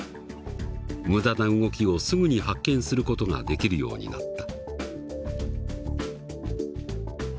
無駄な動きをすぐに発見する事ができるようになった。